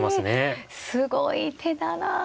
へえすごい手だな。